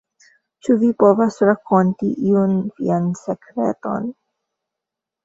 Ĉu vi povas rakonti iun vian sekreton?